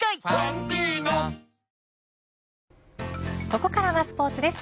ここからスポーツです。